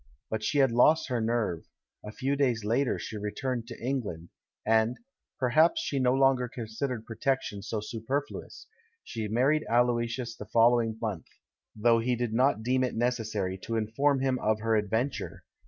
But she had lost her nerve ; a few days later she returned to England, and — per haps she no longer considered protection so su perfluous — she married Aloysius the following month, though he did not deem it necessary to inform him of her adventure.